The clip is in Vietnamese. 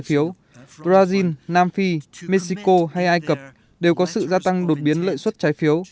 phiếu brazil nam phi mexico hay ai cập đều có sự gia tăng đột biến lợi suất trái phiếu